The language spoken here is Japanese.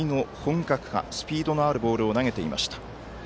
右の本格派スピードのあるボールを投げていました。